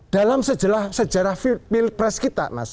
dalam sejarah pilpres kita mas